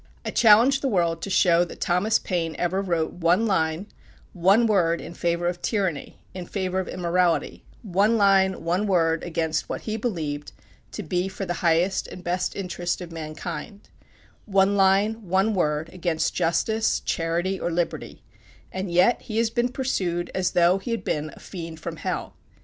I challenge the world to show that Thomas Paine ever wrote one line, one word in favor of tyranny in favor of immorality; one line, one word against what he believed to be for the highest and best interest of mankind; one line, one word against justice, charity, or liberty, and yet he has been pursued as though he had been a fiend from hell.